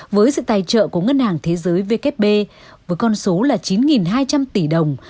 với sự tài trợ của ngân hàng thế giới vkp với con số là chín hai trăm linh tỷ đồng